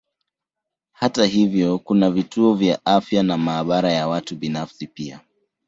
Hata hivyo kuna vituo vya afya na maabara ya watu binafsi pia.